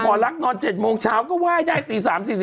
หมอลักษมณ์นอน๗โมงเช้าก็ไหว้ได้ตี๓๔๕